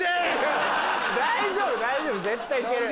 大丈夫大丈夫絶対いける。